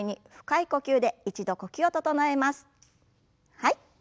はい。